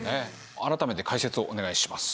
改めて解説をお願いします。